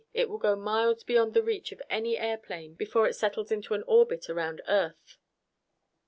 It will go miles beyond the reach of any airplane before it settles into an orbit around earth."